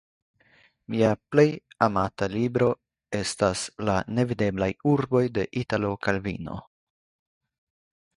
"Mia plej amata libro estas ""La Nevideblaj Urboj"" de Italo Calvino."